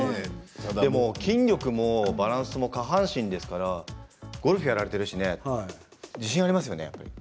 筋力もバランスも下半身ですからゴルフをやられていますし自信がありますよね。